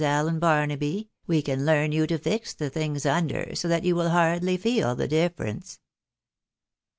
Allen Barnaby — we can learn you to fix the things under, so that you will hardly feel the difference."